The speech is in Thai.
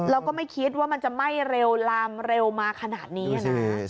แล้วก็ไม่คิดว่ามันจะไหม้เร็วลามเร็วมาขนาดนี้นะ